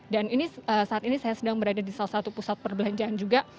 dan ini saat ini saya sedang berada di salah satu pusat perbelanjaan juga